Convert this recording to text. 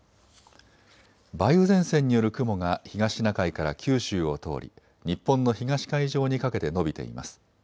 梅雨前線による雲が東シナ海から九州を通り日本の東海上にかけて延びています。